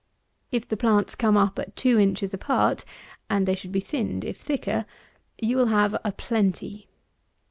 If the plants come up at two inches apart (and they should be thinned if thicker,) you will have a plenty.